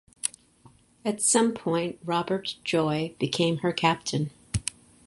At some point Robert Joy became her captain.